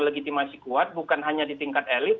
legitimasi kuat bukan hanya di tingkat elit